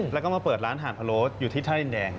แล้วก็มาเปิดร้านหาดพะโล้อยู่ที่ท่าดินแดง